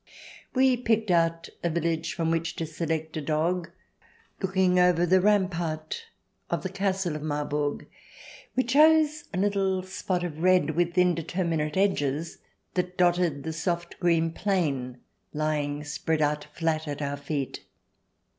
We picked out a village from which to select a dog, looking over the rampart of the castle of Marburg. We chose a little spot of red with in determinate edges, that dotted the soft green plain lying spread out flat at our feet.